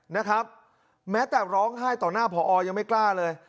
นะครับแม้แต่ร้องไห้ต่อหน้าผอยังไม่กล้าเลย